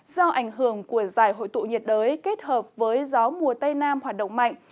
do ảnh hưởng của giải hội tụ nhiệt đới kết hợp với gió mùa tây nam hoạt động mạnh